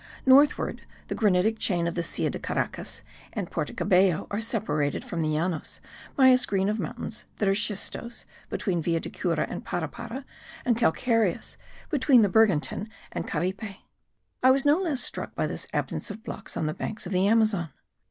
Northward the granitic chain of the Silla de Caracas and Porto Cabello are separated from the Llanos by a screen of mountains that are schistose between Villa de Cura and Parapara, and calcareous between the Bergantin and Caripe. I was no less struck by this absence of blocks on the banks of the Amazon.